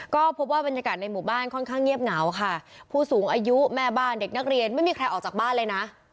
ก็พบว่าบรรยากาศในหมู่บ้านค่อนข้างเงียบเหงาค่ะผู้สูงอายุแม่บ้านเด็กนักเรียนไม่มีใครออกจากบ้านเลยนะ